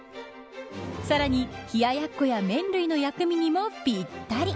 さらに、冷や奴や麺類の薬味にもぴったり。